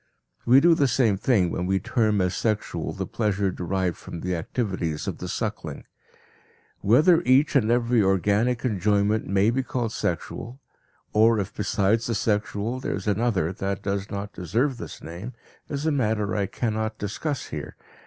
We do the same thing when we term as sexual the pleasure derived from the activities of the suckling. Whether each and every organic enjoyment may be called sexual, or if besides the sexual there is another that does not deserve this name, is a matter I cannot discuss here.